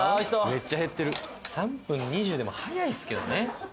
めっちゃ減ってる３分２０でも速いですけどね